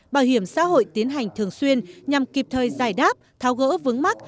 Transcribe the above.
bảo hiểm xã hội tiến hành thường xuyên nhằm kịp thời giải đáp tháo gỡ vướng mắt